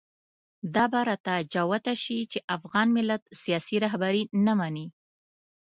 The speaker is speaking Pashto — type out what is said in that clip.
دا به راته جوته شي چې افغان ملت سیاسي رهبري نه مني.